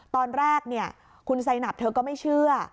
ตอนแรกคุณไซนับเธอก็ไม่เชื่อ